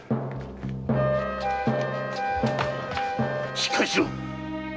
しっかりしろ！